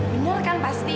bener kan pasti